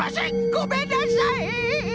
ごめんなさい！